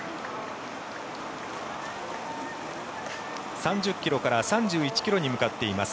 ３０ｋｍから３１ｋｍに向かっています。